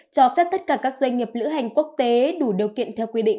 cho phép tất cả các doanh nghiệp lữ hành quốc tế đủ điều kiện theo quy định